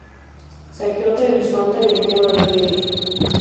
Saqueó Trebisonda y el thema de Iberia.